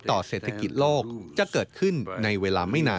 ต่อเศรษฐกิจโลกจะเกิดขึ้นในเวลาไม่นาน